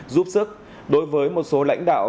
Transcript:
giúp sức đối với một số lãnh đạo